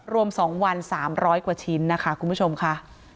รวม๒วัน๓๐๐กว่าชิ้นนะคะคุณผู้ชมค่ะ